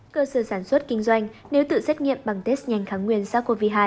cơ sở sản xuất kinh doanh nếu tự xét nghiệm bằng test nhanh kháng nguyên sars cov hai